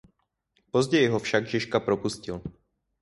Později ho však Žižka propustil.